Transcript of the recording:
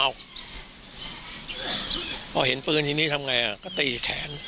พอเห็นปืนทีนี้ทำไงก็ตีแขน